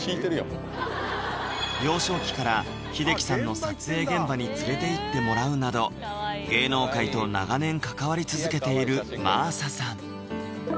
幼少期から英樹さんの撮影現場に連れていってもらうなど芸能界と長年関わり続けている真麻さん